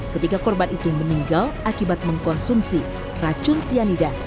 ketiga korban itu meninggal akibat mengkonsumsi racun cyanida